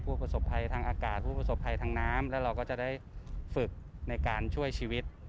ผู้ประสบภัยทางอากาศผู้ประสบภัยทางน้ำแล้วเราก็จะได้ฝึกในการช่วยชีวิต